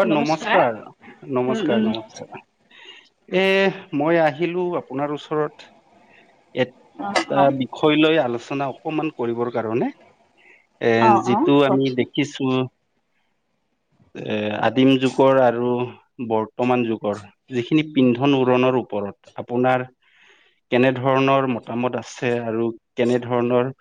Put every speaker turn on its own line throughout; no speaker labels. অ' নমস্কাৰ!
উম
নমস্কাৰ,
উম
নমস্কাৰ! এ! মই আহিলোঁ, আপোনাৰ ওচৰত।
অ
এটা
অ
বিষয় লৈ আলোচনা অকমান কৰিবৰ কাৰণে।
অ
এ'
অ
যিটো আমি
কওকচোন
দেখিছোঁ। এ আদিম যুগৰ আৰু বৰ্তমান যুগৰ যিখিনি পিন্ধন উৰনৰ ওপৰত। আপোনাৰ কেনে ধৰণৰ মতামত আছে আৰু কেনে ধৰণৰ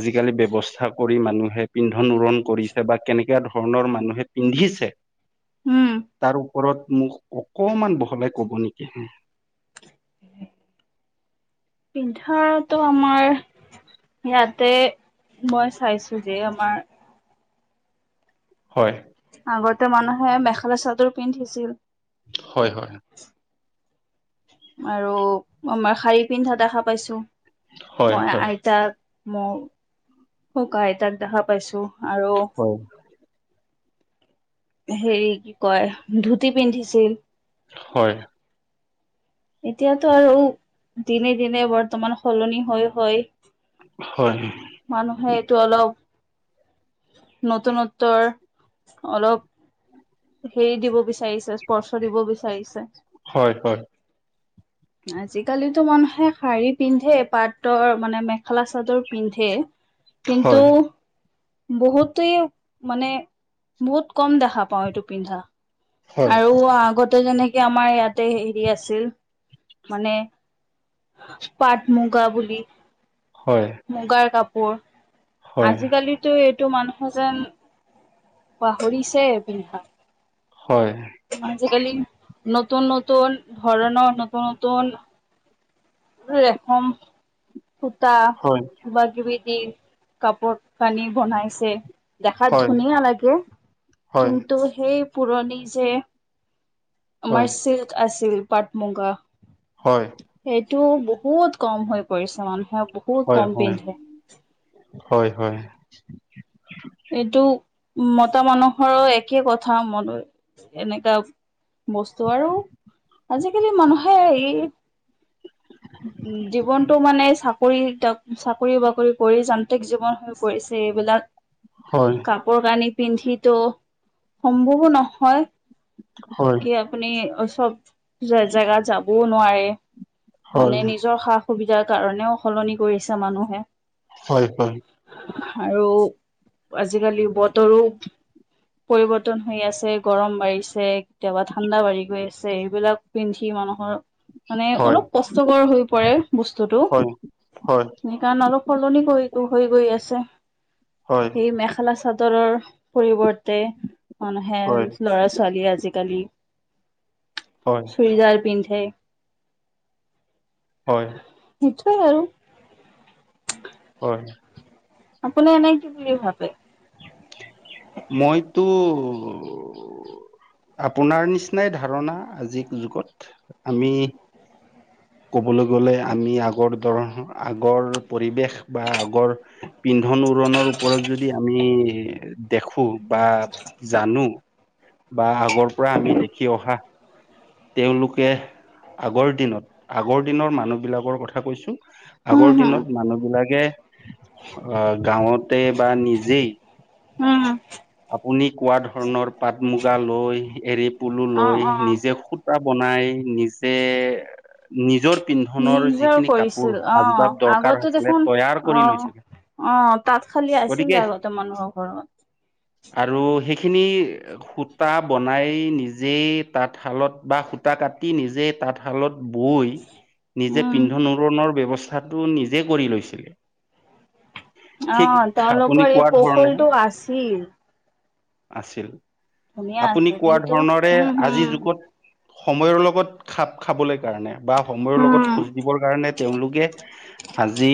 আজিকালি ব্যৱস্থা কৰি মানুহে পিন্ধন উৰণ কৰিছে বা কেনেকুৱা ধৰণৰ মানুহে পিন্ধিছে।
উম
তাৰো। ওপৰত মোক অকমান বহলাই কব নেকি হে
উম পিন্ধাৰটো আমাৰ ইয়াতে মই চাইছো যে আমাৰ।
হয়।
আগতে মানুহে মেখেলা চাদৰ পিন্ধিছিল।
হয় হয়।
আৰু আমাৰ শাৰী পিন্ধা দেখা পাইছো
হয়
মই
হয়
আইতাক। মোৰ শুকা আইতাক দেখা পাইছো আৰু।
হয়
হেৰি কি কয় ধুতি পিন্ধিছিল।
হয়
এতিয়াতো আৰু দিনে দিনে বৰ্তমান সলনি হৈ হৈ।
হয়
মানুহে এইটো অলপ নতুনত্বৰ অলপ। হেৰি দিব বিচাৰিছে স্পৰ্শ দিব বিচাৰিছে।
হয়
আজিকালিটোো মানুহ। শাৰী পিন্ধে পাতৰ মানে মেখেলা চাদৰ পিন্ধে। কিন্তু
হয়
বহুতেই মানে বহুত কম দেখা পাও এইটো পিন্ধা
হয়
আৰু আগতে যেনেকে আমাৰ ইয়াতে হেৰি আছিল মানে। পাট মুগা বুলিি।
হয়
মুগাৰ কাপোৰ
হয়
আজিকালিতো এইটো মানুহ যেন। পাহৰিছে পিন্ধা।
হয়।
আজ কালি নতন নতন ধৰণৰ নতুন নতুন উ এখম সূতা
হয় হয়
কিবাকিবি দি কাপোৰ কানি বনাইছে। দেখাত
হয়
ধুনীয়া লাগে
হয়
কিন্তু সেই পুৰণি যে আমাৰ
হয়
চিল্ক আছিল পাট মুগা
হয়
এইেইটো ব বহুত কম হৈ পৰিছে মানুহে বহুত
হয়
কম পিন্ধে।
হয় হয়
এইটো মতা মানুহৰো একে কথা মন এনেকা বস্তু আৰু আজিকালি মানুহে এই উ জীৱনতটো মানে চাকৰি চাকৰি ধন বাকৰি কৰি যান্ত্ৰিক জীৱন হৈ পৰিছে, বিলাক
হয় হয়
কাপোৰ কানি পিন্ধটোো সম্ভৱো নহ। য়
হয়
কি আপুনি চব জেগা যাবও নোৱাৰে। মানে
হয়
নিজৰ সা সুবিধাৰ কাৰণেও সলনি কৰিছে মানুহে।
হয় হয় হয়
আৰু আজিকালি বতৰো পৰিবৰ্তন হৈ আছে গৰম বাঢ়িছে কেতিয়াবা ঠাণ্ডা বাঢ়ি গৈ আছে সেইবিলাক পিন্ধি। মানুহৰ মানে অলপ কষ্টকৰ হৈ পৰে বস্তুটো
হয় হয় হয়
সেইকাৰণে অলপ সলনি কৰি হৈ গৈ আছে সেই মেখেলা চাদৰৰ পৰিৱৰ্তন মানুহে
হয় হয়
ল'ৰা ছোৱালী আজিকালি চুৰিদাৰ পিন্ধে
হয়
নিশ্চয় আৰু আৰু
হয়।
আপুনি নাই কি বুলি ভাবে।
মইতো আপোনাৰ নিচিনাই ধাৰণা আজিৰ যুগত আমি ক'বলৈ গ'লে আমি আগৰ দৰ আগৰ পৰিৱেশ বা আগৰ পি ধন উৰণনৰ ওপৰত যদি আমি দেখো বা জানো বা আগৰ পৰা আমি দেখি অহা তেওঁলোকে আগৰ দিনত আগৰ দিনৰ মানুহ বিলাকৰ কথা কৈছো
উম
আগৰ
হুম।
দিনত মানুহবিলাকে আহ গাঁৱত তে বা নিজেই
উম
আপুনি কোৱা ধৰণৰ পাট মুগা লৈ এৰি পুলু
অ'
লৈ
অ'
নিজে সূতা বনাই নিজে নিজৰ পিন্ধনৰ
নিজৰ
যিখিনি
কৰিছিল
কাপোৰ
অ'
আজবাব দৰকাৰ
আগতে
হৈছিলে
দেখোন
তৈয়াৰ কৰি
অ'
লৈছিলে
অ তাত খালি আছিল
গতিকে
আগতে মানুহৰ ঘৰত
আৰু সেইখিনি সূতা বনাই নিজে তাঁতশালত বা সুত তা কাটি নিজে তাঁতশালত বৈ নিজে
উম
পিন্ধৰ উৰণৰ ব্যৱস্থা টো নিজে কৰি লৈছিলে
অ
ঠিক আপুনি
তেওঁলোকৰ
কোৱা
এই
ধৰণে
কৌশলটো আছিল
আছিল
ধুনীয়া
আপুনি
আছে
কোৱা
কিন্তু
ধৰণৰে
উম হুম
আজিৰ যুগত সময়ৰ লগত খাপ খাবলৈ কাৰণে বা সময়ৰ লগত
উম
খোজ দিবৰ কাৰণে তেওঁলোকে আজি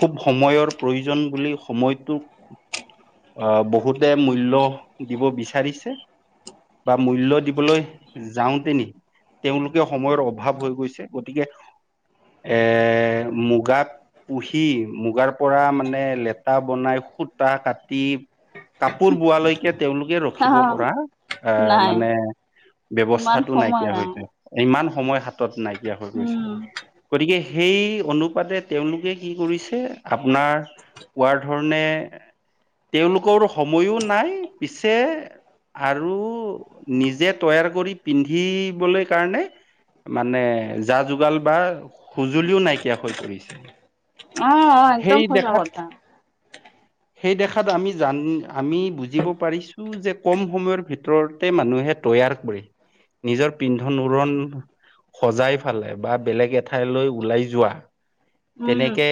খুব সময়ৰ প্ৰয়োজন বুলি সময়টোক আহ বহুতে মূল্য দিব বিচাৰিছে বা মূল্য দিবলৈ যাওঁতে নি তেওঁলোকে সময়ৰ অভাৱ হৈ গৈছে গতিকে এ মুগা পুহি মুগাৰ পৰা মানে লেটা বনাই সুতা কাটি কাপোৰ বোৱালৈকে তেওঁলোকে ৰখিব
অ'
পৰা এ
নাই
মানে
ইমান
ব্যৱস্থাটো
সময়
নাইকিয়া
নাই।
হৈছে ইমান সময় হাতত নাইকিয়া হৈ গৈছে
উম
গতিকে সেই অনুপাতে তেওঁলোকে কি কৰিছে আপোনাৰ কোৱাৰ ধৰণে তেওঁলোকৰ সময়ো নাই পিছে আৰু নিজে তৈয়াৰ কৰি পিন্ধিবলৈ কাৰণে মানে যা যোগাল বা সজুলিও নাইকিয়া হৈ পৰিছে
অ অ একদম
সেই
খচা
দেখাত
কথা
সেই দেখাত আমি জান আমি বুজিব পাৰিছো যে কম সময়ৰ ভিতৰতে মানুহে তৈয়াৰ কৰে নিজৰ পিন্ধন উৰণ সজাই ফালে বা বেলেগ এঠাইলৈ ওলাই যোৱা
উম
তেনেকে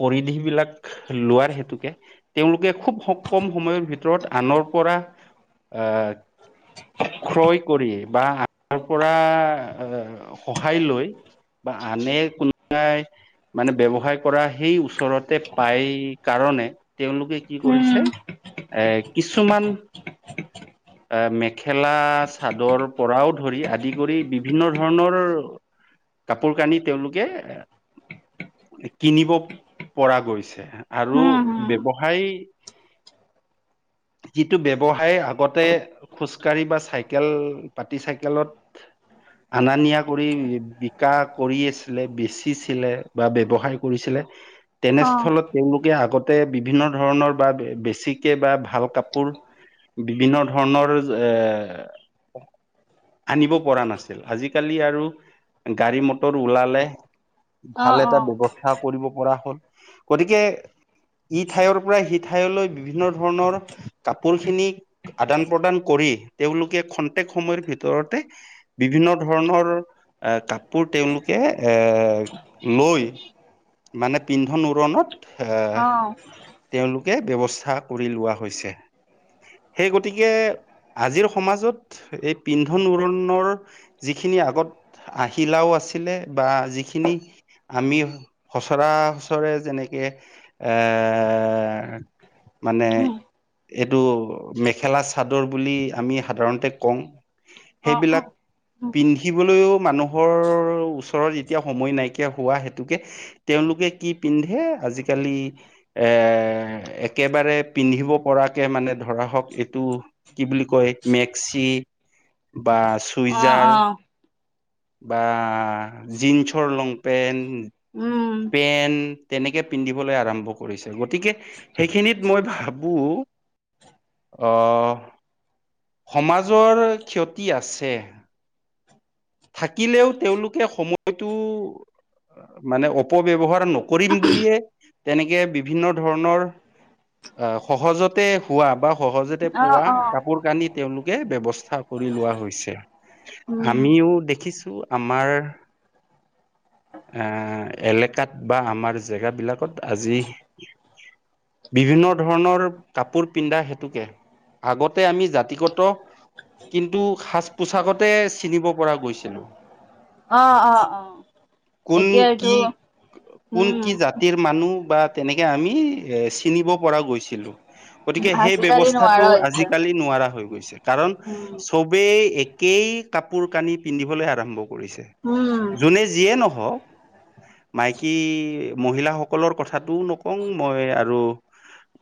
পৰিধ বিলাক লোৱাৰ হেতুকে তেওঁলোকে খুব স কম সময়ৰ ভিতৰত আনৰ পৰা আহ ক্ৰয় কৰি বা আনৰ পৰা এ সহায় লৈ বা আনে কোনোবাই মানে ব্যৱসায় কৰা সেই ওচৰতে পাই কাৰণ মানে তেওঁলোকে কি কৰিছে,
উম
এ', কিছুমান আ', মেখেলা-চাদৰ পৰাও ধৰি আদি কৰি বিভিন্ন ধৰণৰ কাপোৰ-কানি তেওঁলোকে এ', কিনিব পৰা গৈছে আৰু
উম হুম
ব্যৱসায় যিটো ব্যৱসায় আগতে খোজকাঢ়ি বা চাইকেল, পাতি চাইকেলত আনা-নিয়া কৰি বিকা কৰি আছিলে, বেচিছিলে, বা ব্যৱসায় কৰিছিলে
অ'
তেনেস্থলত তেওঁলোকে আগতে বিভিন্ন ধৰণৰ বা বেছিক বা ভাল কাপোৰ বিভিন্ন ধৰণৰ এ আনিব পৰা নাছিল আজিকালি আৰু গাড়ী মটৰ ওলালে ভাল
অ'
এটা
অ'
ব্যৱস্থা কৰিব কৰা হল গতিকে ই ঠাইৰ পৰা সি ঠাইলৈ বিভিন্ন ধৰণৰ কাপোৰ খিনি আদান প্ৰদান কৰি তেওঁলোকে খন্তেক সময়ৰ ভিতৰতে বিভিন্ন ধৰণৰ আ', কাপোৰ তেওঁলোকে এ', লৈ মানে পিন্ধন-উৰনত এ',
অ'
তেওঁলোকে ব্যৱস্থা কৰি লোৱা হৈছে। সেই গতিকে আজিৰ সমাজত এই পিন্ধন-উৰণৰ যি খিনি আগত আহিলাও আছিলে বা যিখিনি আমি সচৰাসচৰে যেনেকে এ' মানে
উম
এইটো মেখেলা-চাদৰ বুলি আমি সাধাৰণতে কং।
অ',
সেইবিলাক
অ',
পিন্ধিবলৈও মানুহৰ ওচৰত যেতিয়া সময় নাইকিয়া হোৱা হেতুকে তেওঁলোক কে কি পিন্ধে আজিকালি এ' একেবাৰে পিন্ধিব পৰাকে মানে ধৰা হওঁক, এইটো কি বুলি কয় মেক্সি বা
অ',
চুইজাৰ
অ',
বা জিন্ছৰ লংপেণ্ট
উম,
পেন তেনেকে পিন্ধিবলৈ আৰম্ভ কৰিছে। গতিকে সেইখিনিত মই ভাবোঁ অ'। সমাজৰ ক্ষতি আছে। থাকিলেও তেওঁলোকে সময়টো মানে অপ অপব্যৱহাৰ নকৰিম বুলিয়ে তেনেকে বিভিন্ন ধৰণৰ আ', সহজতে হোৱা, বা সহজতে
অ',
পোৱা
অ',
কাপোৰ কানিত তেওঁলোকে ব্যৱস্থা কৰি লোৱা হৈছে।
উম,
আমিও দেখিছোঁ আমাৰ আ' এলেকাত বা আমাৰ জেগাবিলাকত আজি বিভিন্ন ধৰণৰ কাপোৰ পিন্ধা হেতুকে আগতে আমি জাতিগত কিন্তু সাজ-পোছাকতে চিনিব পৰা গৈছিলোঁ।
অ', অ', অ',
কোন
এতিয়া এইটো
কি কোন
উম,
কি জাতিৰ মানুহ বা তেনেকে আমি এ', চিনিব পৰা গৈছিলোঁ। গতিকে সেই
আজিকালি
ব্যৱস্থাটো
নোৱাৰা হৈছে।
আজিকালি নোৱাৰা হৈ গৈছে। কাৰণ
উম,
চবেই একেই কাপোৰ-কানি পিন্ধিবলৈ আৰম্ভ কৰিছে।
উম,
জোনে যিয়ে নহওঁক মাইকী, মহিলাসকলৰ কথাটোও নকং মই আৰু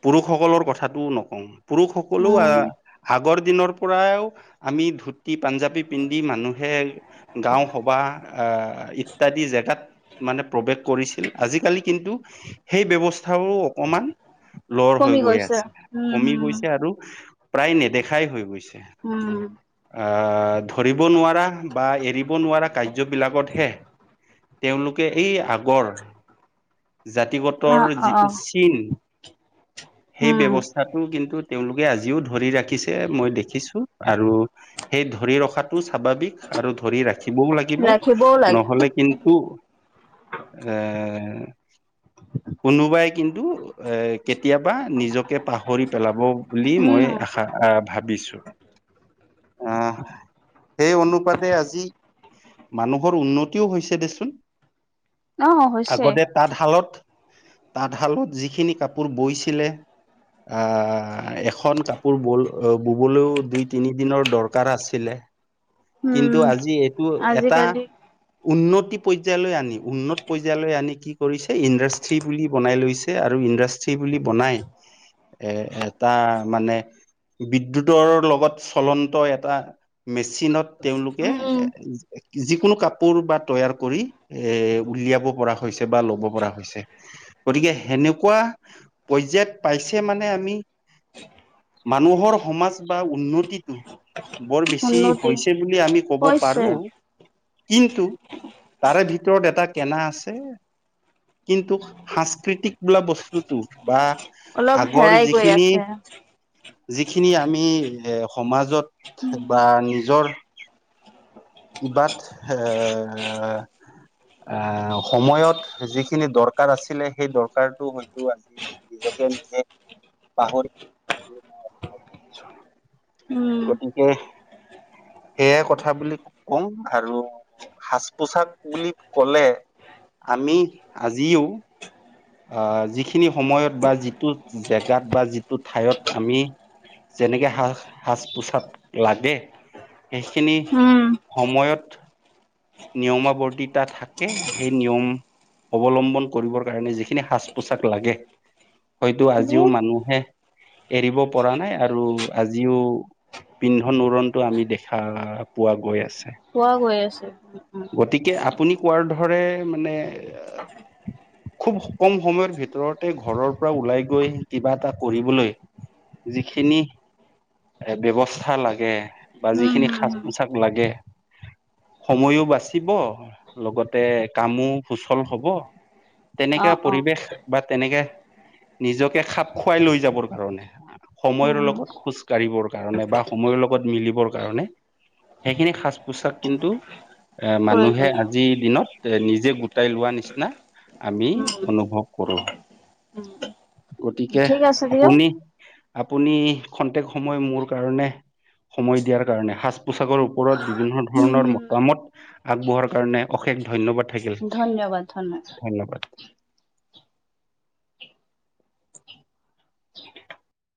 পুৰুষসকলৰ কথাতটো নকওঁ। পুৰুষসকলেও
উম,
আ', আগৰ দিনৰ পৰাও আমি ধুতি-পাঞ্জাবী পিন্ধি মানুহে গাওঁ সবাহ আ', ইত্যাদি জেগাত মানে প্ৰৱেশ কৰিছিল। আজিকালি কিন্তু সেই ব্যৱস্থাও অকমান লৰ হৈ
কমি
গৈ
গৈছে
আছে,
উম,
কমি
হম,
গৈছে, আৰু প্ৰায় নেদেখাই হৈ গৈছে।
উম'।
আ', ধৰিব নোৱাৰা, বা এৰিব নোৱাৰা কাৰ্যবিলাকতহে তেওঁলোকে এই আগৰ
অ',
জাতিগতৰ যিটো
অ',
চীন সেই
উম,
ব্যৱস্থাটো কিন্তু তেওঁলোকে আজিও ধৰি ৰাখিছে মই দেখিছো আৰু সেই ধৰি ৰখাতটো স্বাভাৱিক আৰু ধৰি ৰাখিবও লাগিব
ৰাখিবও লাগে
নহলে কিন্তু এ' কোনোবাই কিন্তু এ', কেতিয়াবা নিজকে পাহৰি পেলাব বুলি মই
উম,
আশা আ', ভাবিছোঁ। আহ', সেই অনুপাতে আজি মানুহৰ উন্নতিও হৈছে দেচোন।
অ', হৈছে।
আগতে তাঁতশালত তাঁতশালত যিখিনি কাপোৰ বৈছিলে আহ এখন কাপোৰ বল বুবলৈও দুই তিনি দিনৰ দৰকাৰ আছিলে
উম,
কিন্তু আজি এইটো এটা
আজিকালি
উন্নতি পৰ্যায়লৈ আনিম উন্নত পৰ্যায়লৈ আনি কি কৰিছে ইণ্ডাষ্ট্ৰি বুলি বনাই লৈছে আৰু ইণ্ডাষ্টি বুলি বনাই এ এটা মানে বিদ্যুতৰ লগত চলন্ত এটা মেচিনত তেওঁলোকে
উম,
যিকোনো কাপোৰ বা তৈয়াৰ কৰি এ উলিয়াব পৰা হৈছে বা লব পৰা হৈছে গতিকে সেনেকুৱা পৰ্যায় ইয়াত পাইছে মানে আমি মানুহৰ সমাজ বা উন্নতিটো বৰ বেছি
উন্নতি
হৈছে বুলি আমি ক'ব
হৈছে।
পাৰো কিন্তু তাৰে ভিতৰত ভিতৰত এটা কেনা আছে কিন্তু সাংস্কৃতিক বোলা বস্তুটো বা
অলপ
আগৰ
হেৰাই গৈ
যিখিনি
আছে
যিখিনি আমি এ সমাজত বা নিজৰ ইবাত এ আহ সময়ত যিখিনি দৰকাৰ আছিলে সেই দৰকাৰতটো হয়তো আজি নিজ পাহৰি
উম,
গতিকে সেইয়াই কথা বুলি কওঁ আৰু সাজ পোছাক বুলি কলে আমি আজিও আহ যিখিনি সময়ত বা যিটো জেগাত বা যিটো ঠাইত আমি যেনেকে স সাজ পোছাক লাগে সেইখিনি
উম,
সময়ত নিয়মাৱৰ্তীতা থাকে সেই নিয়ম অৱলম্বন কৰিবৰ কাৰণে যিখিনি সাজ পোছাক লাগে হয়তো আজিও
সেইখিনিয়ে
মানুহে এৰিব পৰা নাই আৰু আজিও পিন্ধ উৰনটো আমি দেখা পোৱা গৈ আছে
পোৱা গৈ আছে
গতিকে আপুনি কোৱাৰ ধৰে মানে খুব কম সময়ৰ ভিতৰতে ঘৰৰ পৰা ওলাই গৈ কিবা এটা কৰিবলৈ যিখিনি এ ব্যৱস্থা লাগে বা
উম,
যিখিনি
হুম,
সাজ
হুম।
পোচাক লাগে সময়ো বাচিব লগতে কামো সুচল হব তেনেকা
অ', অ',
পৰিৱেশ বা তেনেকে নিজকে খাপ খুৱাই লৈ যাবৰ কাৰণে সময়ৰ
উম,
লগত খোজ কাঢ়িবৰ কাৰণে বা সময়ৰ লগত মিলিবৰ কাৰণে সেইখিনি সাজ পোছাক কিন্তু এ মানুহে
প্ৰয়োজনীয়।
আজিৰ দিনত এ', নিজেই গোটাই লোৱা নিচিনা আমি
উম।
অনুভৱ কৰোঁ।
উম,
গতিকে
ঠিক আছে দিয়ক।
আপুনি, আপুনি খন্তেক সময় মোৰ কাৰণে সময় দিয়াৰ কাৰণে সাজ-পোছাকৰ ওপৰত বিভিন্ন
উম,
ধৰণৰ
হুম।
কামত আগবঢ়োৱাৰ কাৰণে অশেষ ধন্যবাদ থাকিল।
ধন্যবাদ, ধন্যবাদ।
ধন্যবাদ।